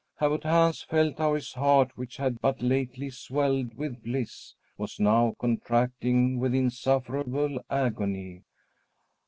Abbot Hans felt how his heart, which had but lately swelled with bliss, was now contracting with insufferable agony.